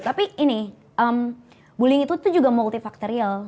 tapi ini bullying itu tuh juga multifakterial